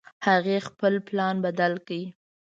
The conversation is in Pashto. هغې خپل پلان بدل کړ